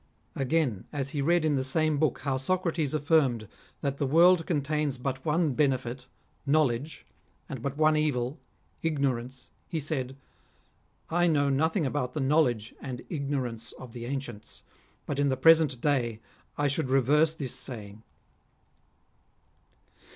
Again, as he read in the same book how Socrates affirmed that the world contains but one benefit, know ledge, and but one evil, ignorance, he said :" I know nothing about the knowledge and ignorance of the ancients ; but in the present day I should reverse this saying."